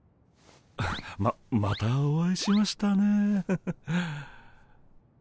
ままたお会いしましたね。